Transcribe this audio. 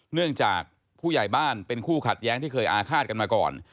เนื่องจากผู้ใหญ่บ้านเป็นคู่ขัดแย้งที่เคยอาฆาตกันมาก่อน